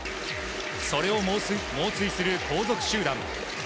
それを猛追する後続集団。